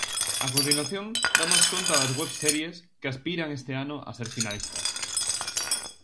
A continuación, damos conta das webseries que aspiran este ano a ser finalistas: